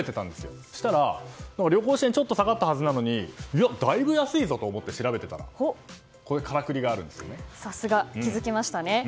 そうしたら旅行支援ちょっと下がったはずなのにだいぶ安いぞと思って調べていたらさすが、気づきましたね。